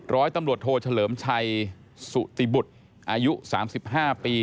ร้อยตำรวจโทเฉลิมชัยสุติบุตรอายุ๓๕ปี